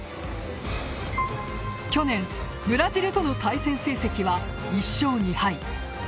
去年、ブラジルとの対戦成績は１勝２敗。